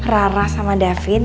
rara sama davin